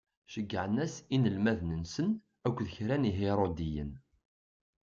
Ceggɛen-as inelmaden-nsen akked kra n Ihiṛudiyen.